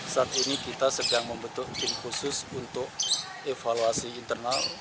saat ini kita sedang membentuk tim khusus untuk evaluasi internal